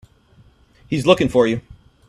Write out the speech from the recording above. He's looking for you.